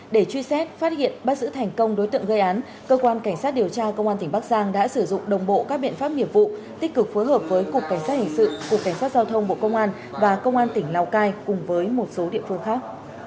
để truy xét phát hiện bắt giữ thành công đối tượng gây án cơ quan cảnh sát điều tra công an tỉnh bắc giang đã sử dụng đồng bộ các biện pháp nghiệp vụ tích cực phối hợp với cục cảnh sát hình sự cục cảnh sát giao thông bộ công an và công an tỉnh lào cai cùng với một số địa phương khác